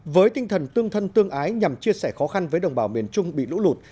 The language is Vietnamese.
với tinh thần tương thân tương ái nhằm chia sẻ khó khăn với đồng bào miền trung bị lũ lụt